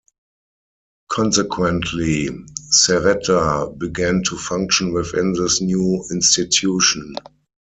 Consequently, Serreta began to function within this new institution.